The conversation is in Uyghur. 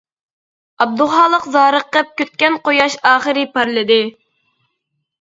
ئابدۇخالىق زارىقىپ كۈتكەن قۇياش ئاخىرى پارلىدى.